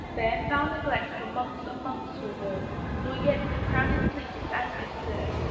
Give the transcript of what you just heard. There foul neglect for months and months we bore, Nor yet the crowded fleet its anchor stirred.